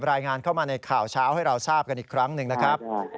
รายงานเข้ามาในข่าวเช้าให้เราทราบกันอีกครั้งหนึ่งนะครับ